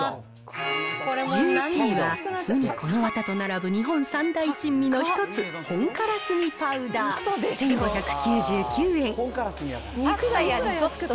１１位はうに、このわたと並ぶ日本三大珍味の一つ、本からすみパウダー１５９９円。